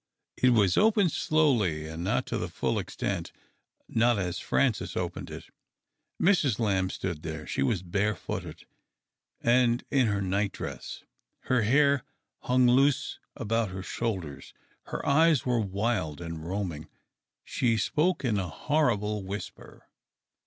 It was opened slowly, and not to the full extent — not as Francis opened it. Mrs. Lamb stood there. She was bare footed, and in her nightdress ; her hair hung loose about her shoulders ; her eyes were wild and roaming ; she spoke in a horrible whisper.